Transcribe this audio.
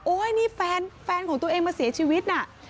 นี่แฟนของตัวเองมาเสียชีวิตน่ะ